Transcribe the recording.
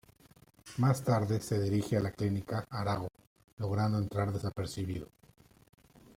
Más tarde se dirige a la clínica Arago logrando entrar desapercibido.